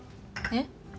えっ？